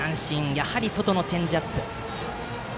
やはり外のチェンジアップ。